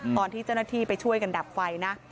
ตอนที่เจ้าหน้าที่ไปช่วยกันดับไฟนะ